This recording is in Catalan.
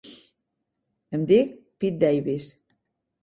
Em dic Pete Davis.